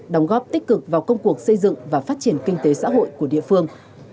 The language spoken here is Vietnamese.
đóng góp tích cực vào công cuộc xây dựng và phát triển kinh tế xã hội của địa phương